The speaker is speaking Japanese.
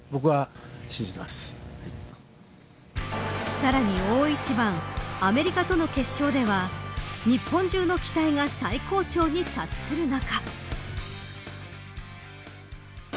さらに大一番アメリカとの決勝では日本中の期待が最高潮に達する中。